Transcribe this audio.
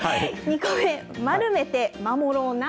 ２個目、丸めて守ろうな。